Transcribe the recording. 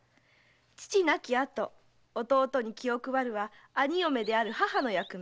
父亡きあと弟に気をくばるは兄嫁である母の役目。